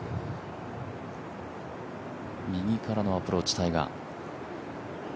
右からのアプローチ、タイガー。